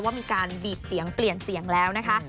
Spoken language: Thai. ว่ามีการบีบเสียงเปลี่ยนเสียงแล้วนะคะ